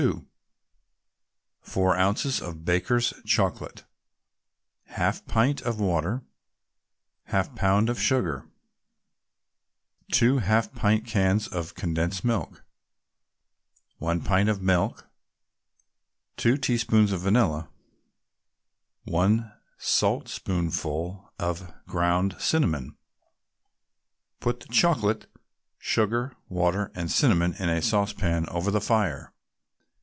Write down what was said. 2 4 ounces of Baker's chocolate 1/2 pint of water 1/2 pound of sugar 2 half pint cans of condensed milk 1 pint of milk 2 teaspoonfuls of vanilla 1 saltspoonful of ground cinnamon Put the chocolate, sugar, water and cinnamon in a saucepan over the fire.